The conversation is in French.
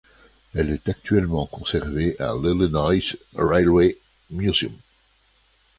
Elle est actuellement conservée à l'Illinois Railway Museum.